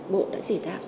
bộ đã chỉ đạt